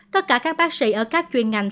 tất cả các bác sĩ ở các chuyên ngành